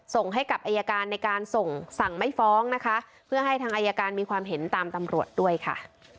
ส่งให้กับอายการในการส่งสั่งไม่ฟ้องนะคะเพื่อให้ทางอายการมีความเห็นตามตำรวจด้วยค่ะ